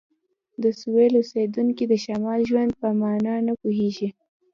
د سویل اوسیدونکي د شمالي ژوند په معنی نه پوهیږي